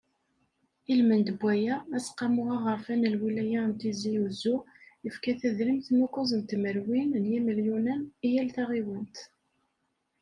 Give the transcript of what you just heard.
Ilmend n waya, Aseqqamu Aɣerfan n Lwilaya n Tizi Uzzu, yefka tadrimt n ukkuẓ tmerwin n yimelyunen i yal taɣiwant.